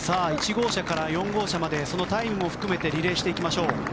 １号車から４号車までそのタイムを含めてリレーしていきましょう。